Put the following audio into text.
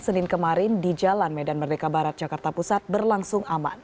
senin kemarin di jalan medan merdeka barat jakarta pusat berlangsung aman